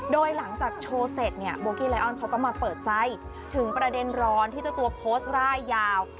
โดยหลังจากโชว์เสร็จเนี่ยโบกี้ไลออนเขาก็มาเปิดใจถึงประเด็นร้อนที่เจ้าตัวโพสต์ร่ายยาว